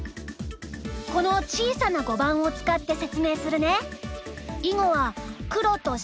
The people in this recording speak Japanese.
この小さな碁盤を使って説明するね。